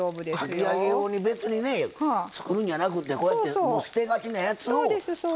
かき揚げ用に別にね作るんじゃなくてこうやって捨てがちなやつを使うとこ。